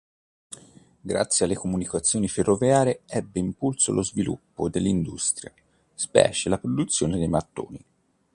Grazie alle comunicazioni ferroviarie ebbe impulso lo sviluppo dell'industria, specie la produzione dei mattoni.